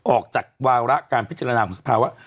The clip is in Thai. ออกจากวาระการพิจารณาของสภาว่า